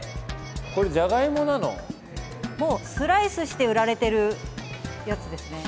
もうスライスして売られてるやつですね。